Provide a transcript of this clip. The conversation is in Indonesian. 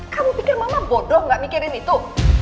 kamu pikir mama bodoh gak mikirin itu